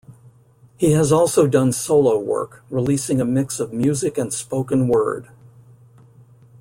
He has also done solo work, releasing a mix of music and spoken word.